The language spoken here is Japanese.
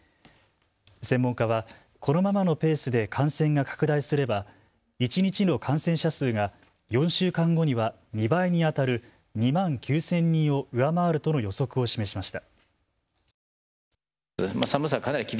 専門家は、このままのペースで感染が拡大すれば一日の感染者数が４週間後には２倍にあたる２万９０００人を上回るとの予測を示しました。